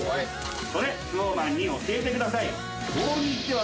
「それＳｎｏｗＭａｎに教えて下さい」